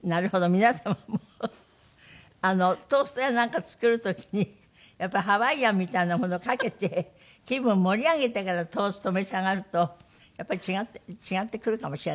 皆様もトーストやなんか作る時にやっぱりハワイアンみたいなものをかけて気分盛り上げてからトーストを召し上がるとやっぱり違ってくるかもしれないね。